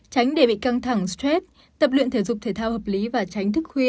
tránh để bị căng thẳng stress tập luyện thể dục thể thao hợp lý và tránh thức khuy